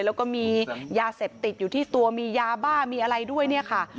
แล้วก็มียาเสพติดอยู่ที่ตัวมียาบ้ามีอะไรด้วยเนี่ยค่ะ